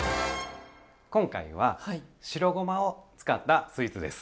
今回は白ごまを使ったスイーツです。